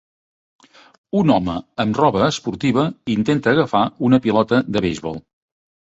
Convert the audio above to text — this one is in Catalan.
Un home amb roba esportiva intenta agafar una pilota de beisbol